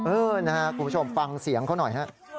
เออนะครับคุณผู้ชมฟังเสียงเขาหน่อยฮะ